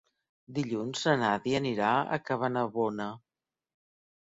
Dilluns na Nàdia anirà a Cabanabona.